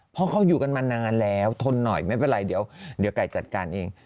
เพราะเขาอยู่กันมานานแล้วทนหน่อยไม่เป็นไรเดี๋ยวไก่จัดการเอง